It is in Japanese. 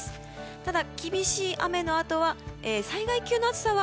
ただ、厳しい雨のあとは災害級の暑さは